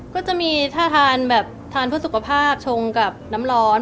ก็จะมีถ้าทานแบบทานเพื่อสุขภาพชงกับน้ำร้อน